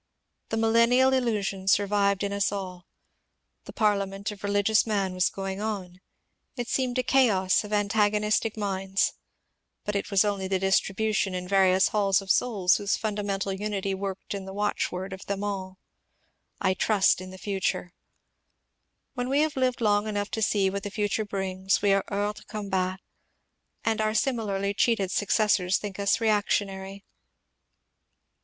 The miUennial illusion survived in us all. The Parliament of religious Man was going on ; it seemed a chaos of antag onistic minds, but it was only the distribution in various haUs of soids whose fundamental unity worked in the watchword of them all, ^^ I trust in the future I " When we have lived long enough to see what the future brings we are kors de combaty and our similarly cheated successors think us reactionary.